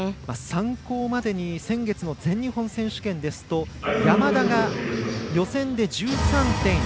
参考までに先月の全日本選手権ですと山田が予選で１３．１３３。